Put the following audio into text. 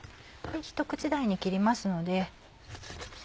ひと口大に切りますので。